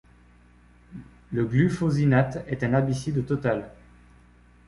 Le glufosinate est un herbicide total.